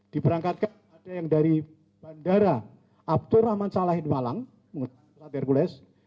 diberangkatkan ada yang dari bandara abdurrahman salahin malang menggunakan pesawat hercules